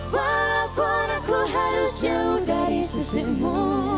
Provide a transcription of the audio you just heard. walaupun aku harus jauh dari sisimu